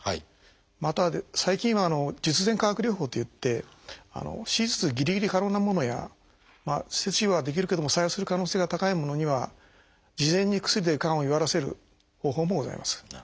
また最近は術前化学療法といって手術ぎりぎり可能なものや切除はできるけども再発する可能性が高いものには事前に薬でがんを弱らせる方法もございます。